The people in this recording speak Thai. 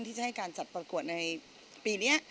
ที่จะให้การจัดประกวดในปีนี้